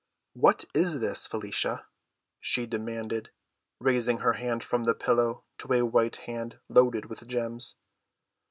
"What is this, Felicia?" she demanded, raising her head from the pillow to a white hand loaded with gems.